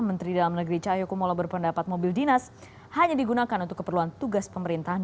menteri dalam negeri cahayokumolo berpendapat mobil dinas hanya digunakan untuk keperluan tugas pemerintahan